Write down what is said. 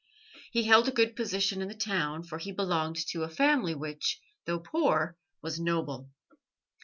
He held a good position in the town, for he belonged to a family which, though poor, was noble.